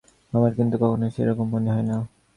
আমার কিন্তু কখনো সে রকম মনে হয় না।